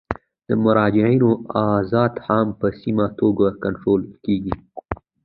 د مراجعینو ازدحام په سمه توګه کنټرول کیږي.